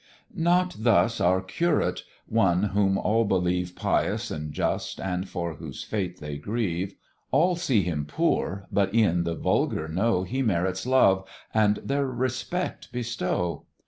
Not thus our Curate, one whom all believe Pious and just, and for whose fate they grieve; All see him poor, but e'en the vulgar know He merits love, and their respect bestow.